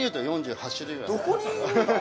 どこにいるんだ？